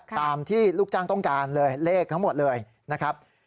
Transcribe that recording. ตามที่ลูกจ้างต้องการเลยเลขทั้งหมดเลยนะครับ